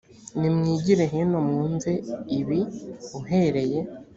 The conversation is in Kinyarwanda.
nimwigire hino mwumve ibi uhereye